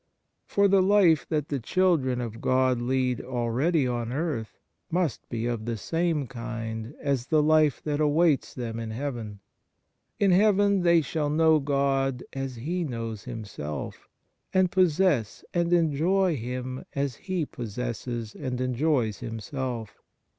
For the life that the children of God lead already on earth must be of the same kind as the life that awaits them in heaven. In heaven they shall know God as He knows Himself, and possess and enjoy Him as He possesses and enjoys Himself.